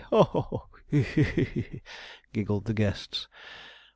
ho, ho, ho!' giggled the guests.